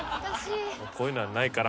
こういうのはないから。